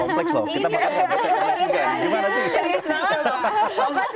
bapak serius banget dari tadi loh